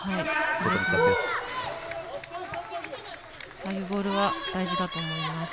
ああいうボールは大事だと思います。